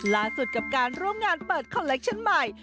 กับการร่วมงานเปิดคอลเลคชั่นใหม่